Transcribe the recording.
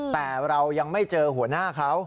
แต่เรายังไม่เจอหัวหน้าเขา